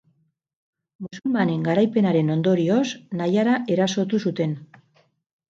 Musulmanen garaipenaren ondorioz, Naiara erasotu zuten.